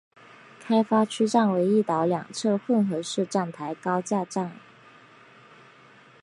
开发区站为一岛两侧混合式站台高架站。